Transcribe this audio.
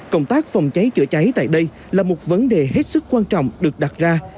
công tác phòng cháy chữa cháy tại đây là một vấn đề hết sức quan trọng được đặt ra